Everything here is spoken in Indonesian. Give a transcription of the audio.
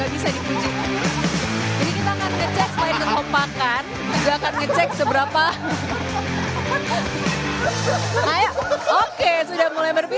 jadi kita akan ngecek selain dengan hopakan juga akan ngecek seberapa